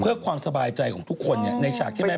เพื่อความสบายใจของทุกคนในฉากที่แม่